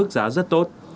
giá rất tốt